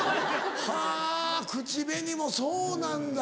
はぁ口紅もそうなんだ。